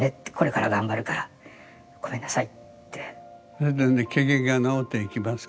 それで機嫌が直っていきますか？